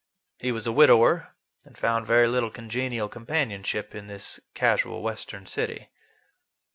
He was a widower, and found very little congenial companionship in this casual Western city.